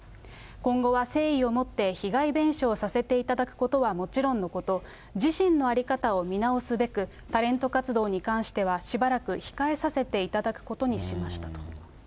今後は誠意をもって被害弁償させていただくことはもちろんのこと、自身の在り方を見直すべく、タレント活動に関してはしばらく控えさせていただくことにしましたと。